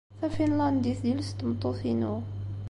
Tafinlandit d iles n tmeṭṭut-inu.